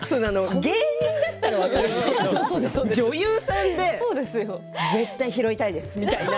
芸人だったら分かるんですけど女優さんで絶対拾いたいですみたいな。